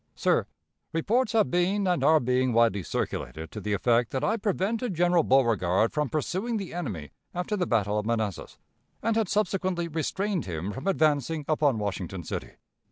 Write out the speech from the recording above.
_ "Sir: Reports have been, and are being, widely circulated to the effect that I prevented General Beauregard from pursuing the enemy after the battle of Manassas, and had subsequently restrained him from advancing upon Washington City.